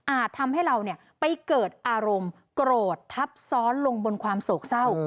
ทำให้เราไปเกิดอารมณ์โกรธทับซ้อนลงบนความโศกเศร้า